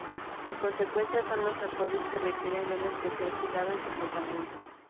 En consecuencia, son los acordes que requieren de un especial cuidado en su tratamiento.